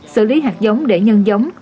bốn xử lý hạt giống để nhân giống